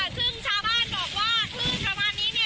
ซึ่งชาวบ้านบอกว่าพื้นประมาณนี้เนี่ย